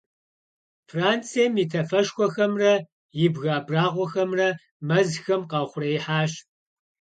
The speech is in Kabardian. Францием и тафэшхуэхэмрэ и бгы абрагъуэхэмрэ мэзхэм къаухъуреихьащ.